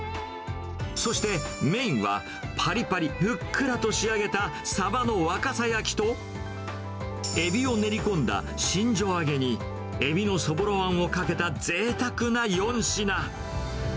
そして、メインはぱりぱりふっくらと仕上げたサバの若狭焼きと、エビを練り込んだしんじょ揚げに、エビのそぼろあんをかけたぜいたくな４品。